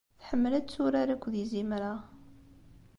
Tḥemmel ad turar akked yizimer-a.